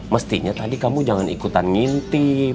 mestinya tadi kamu jangan ikutan ngintip